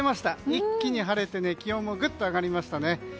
一気に晴れて気温もぐっと上がりましたね。